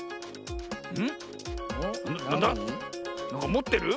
もってる？